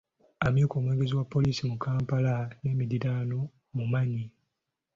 Amyuka omwogezi wa poliisi mu Kampala n'emiriraano mmumanyi.